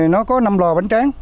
nó có năm lò bánh tráng